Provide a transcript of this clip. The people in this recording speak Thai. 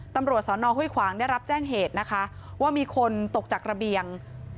ตำรวจสอนอห้วยขวางได้รับแจ้งเหตุนะคะว่ามีคนตกจากระเบียง